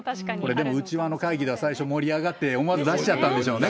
これでも、内輪の会議で盛り上がって、思わず出しちゃったんでしょうね。